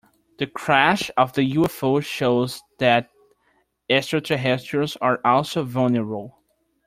The crash of the UFO shows that extraterrestrials are also vulnerable.